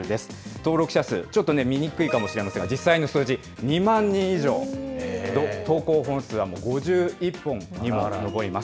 登録者数、ちょっとね、見にくいかもしれませんが、実際の数字、２万人以上、投稿本数は、もう５１本にも上ります。